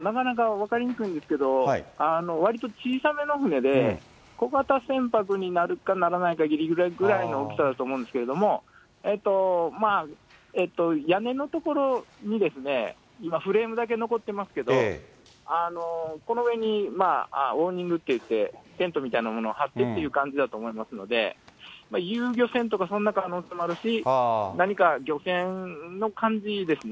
これ、船の種類なんですかね、これはちょっと、なかなか分かりにくいですけど、わりと小さめの船で、小型船舶になるかならないかぎりぎりぐらいの大きさだと思うんですけど、屋根の所に今、フレームだけ残ってますけど、この上にウォーニングっていって、テントみたいなものを張ってという感じだと思いますので、遊漁船とかそんな可能性もあるし、何か漁船の感じですね。